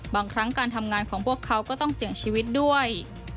บางครั้งการทำงานของพวกเขาก็ต้องเสี่ยงชีวิตด้วย